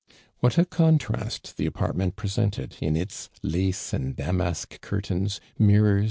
What a contrast tiie a))artment presented, in its lace and damask curtains, mii rors.